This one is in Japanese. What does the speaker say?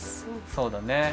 そうだね。